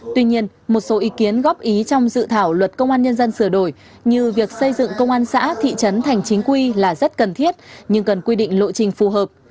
tuy nhiên một số ý kiến góp ý trong dự thảo luật công an nhân dân sửa đổi như việc xây dựng công an xã thị trấn thành chính quy là rất cần thiết nhưng cần quy định lộ trình phù hợp